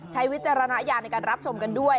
ใช้วิจารณาอย่างในการรับชมกันด้วย